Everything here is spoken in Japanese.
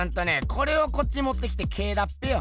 これをこっちもってきて「Ｋ」だっぺよ。